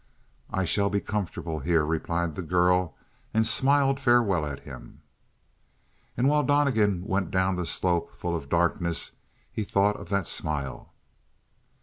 "I shall be comfortable here," replied the girl, and smiled farewell at him. And while Donnegan went down the slope full of darkness he thought of that smile.